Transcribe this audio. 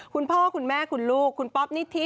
คุณพ่อคุณแม่คุณลูกคุณป๊อปนิธิ